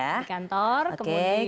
di kantor kemudian